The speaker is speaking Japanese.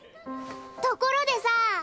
ところでさ